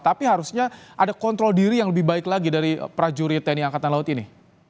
tapi harusnya ada kontrol diri yang lebih baik lagi dari prajurit tni angkatan laut ini